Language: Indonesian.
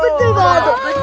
betul banget tuh